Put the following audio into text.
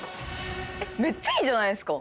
めっちゃいいじゃないっすか！